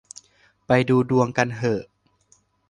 ไปดูดวงกันเหอะ